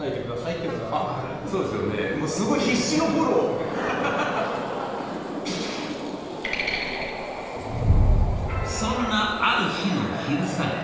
もうすごいそんなある日の昼下がり。